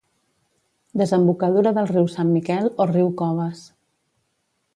Desembocadura del riu Sant Miquel o riu Coves